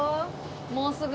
もうすぐ。